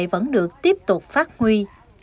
vẫn được tiếp tục phát huy